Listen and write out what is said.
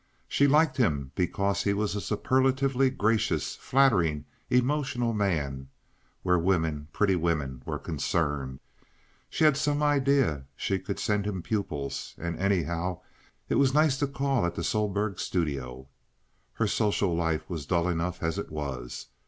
She liked him because he was a superlatively gracious, flattering, emotional man where women—pretty women—were concerned. She had some idea she could send him pupils, and, anyhow, it was nice to call at the Sohlberg studio. Her social life was dull enough as it was.